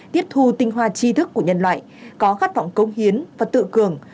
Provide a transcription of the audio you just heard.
tiếp thu tinh hoa chi thức của nhân loại có khát vọng công hiến và tự cường